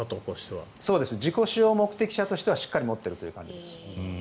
自己使用目的者としてはしっかり持っているという感じです。